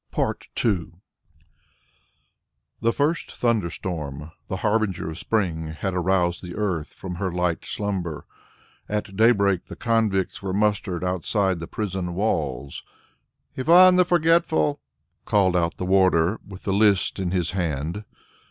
II The first thunderstorm, the harbinger of spring, has aroused the earth from her light slumber. At day break, the convicts were mustered outside the prison walls. "Ivan the Forgetful," called out the warder, with the list in his hand.